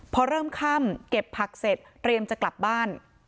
พอเริ่มค่ำเก็บผักเสร็จเตรียมจะกลับบ้าน